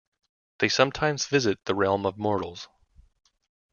They sometimes visit the realm of mortals.